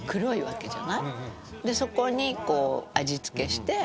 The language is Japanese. でそこに味付けして。